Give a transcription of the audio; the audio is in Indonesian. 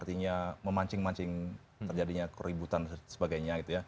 artinya memancing mancing terjadinya keributan dan sebagainya